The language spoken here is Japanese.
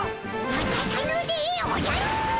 わたさぬでおじゃる！